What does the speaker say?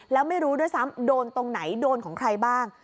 แล้วไม่รู้ด้วยซ้ำโดนตรงไหนโดนของใครบ้าง